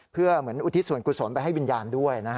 เพื่อเหมือนอุทิศส่วนกุศลไปให้วิญญาณด้วยนะฮะ